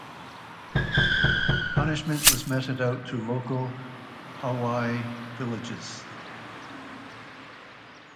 Punishment was meted out to local Hawiye villages.